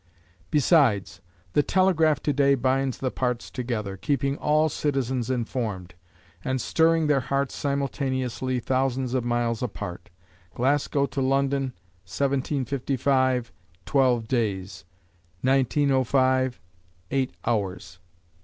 Besides, the telegraph to day binds the parts together, keeping all citizens informed, and stirring their hearts simultaneously thousands of miles apart Glasgow to London, 1755, twelve days; 1905, eight hours.